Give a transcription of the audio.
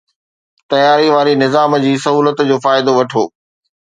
تياري واري نظام جي سهولت جو فائدو وٺو